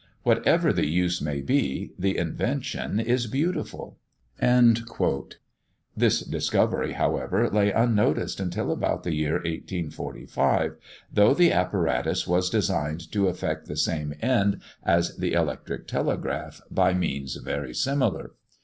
Whatever the use may be, the invention is beautiful." This discovery, however, lay unnoticed until about the year 1845; though the apparatus was designed to effect the same end as the electric telegraph, by means very similar.